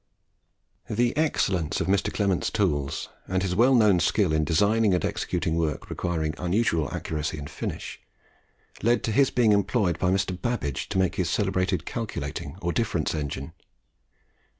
The excellence of Mr. Clement's tools, and his well known skill in designing and executing work requiring unusual accuracy and finish, led to his being employed by Mr. Babbage to make his celebrated Calculating or Difference Engine.